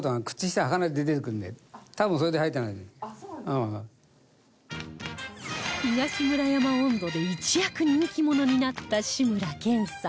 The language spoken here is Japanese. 多分『東村山音頭』で一躍人気者になった志村けんさん